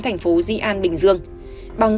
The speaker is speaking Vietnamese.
thành phố di an bình dương bằng